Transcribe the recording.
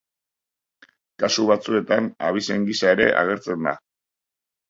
Kasu batzuetan abizen gisa era agertzen da.